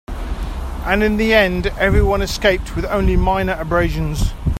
And in the end, everyone escaped with only minor abrasions.